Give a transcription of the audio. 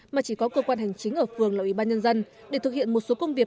mà chỉ có cơ quan hành chính ở phường là ủy ban nhân dân để thực hiện một số công việc